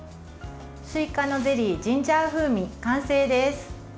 すいかのゼリージンジャー風味完成です。